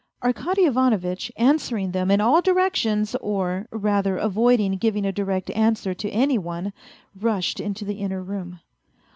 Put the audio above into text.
Arkady Ivanovitch, answering them in all directions, or rather avoiding giving a direct answer to any one, rushed into the inner room.